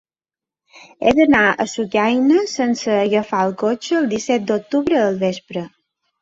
He d'anar a Sucaina sense agafar el cotxe el disset d'octubre al vespre.